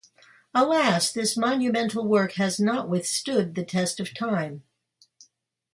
Alas, this monumental work has not withstood the test of time.